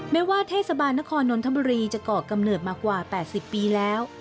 แม้ว่าเทศบาลนครนนทบุรีจะก่อกำเนิดมากว่า๘๐ปีแล้ว